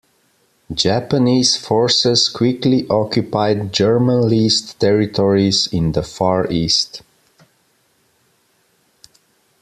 Japanese forces quickly occupied German-leased territories in the Far East.